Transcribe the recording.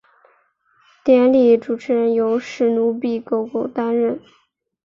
典礼主持人由史奴比狗狗担任。